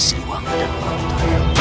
siliwangi dan orang tua